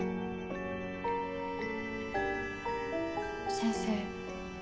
先生。